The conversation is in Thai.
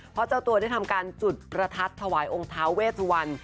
เพราะเจ้าตัวได้ทำการจุดประทัดถวายองค์ท้าเวสวัน